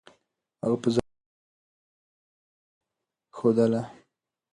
هغه په ځواب کې هېڅ ډول بېصبري نه ښودله.